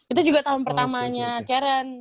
itu juga tahun pertamanya karen